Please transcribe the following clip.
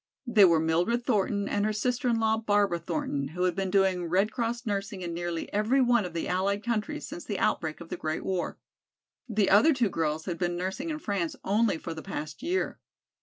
They were Mildred Thornton and her sister in law, Barbara Thornton, who had been doing Red Cross nursing in nearly every one of the allied countries since the outbreak of the great war. The other two girls had been nursing in France only for the past year.